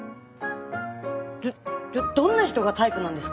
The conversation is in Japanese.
どっどっどんな人がタイプなんですか？